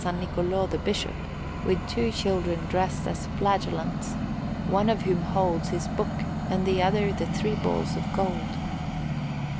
Niccolò the Bishop, with two children dressed as Flagellants, one of whom holds his book and the other the three balls of gold.